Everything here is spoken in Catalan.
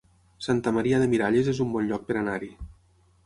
Santa Maria de Miralles es un bon lloc per anar-hi